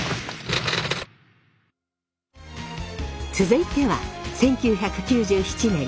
続いては１９９７年。